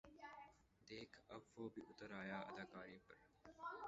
دیکھ اب وہ بھی اُتر آیا اداکاری پر